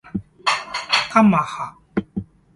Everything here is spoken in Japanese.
かまは